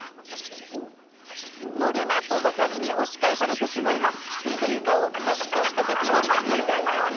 乗るな！とばかりに押し返されてしまいます。